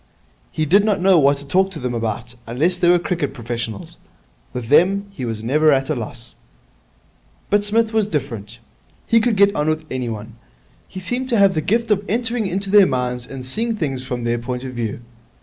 He did not know what to talk to them about, unless they were cricket professionals. With them he was never at a loss. But Psmith was different. He could get on with anyone. He seemed to have the gift of entering into their minds and seeing things from their point of view.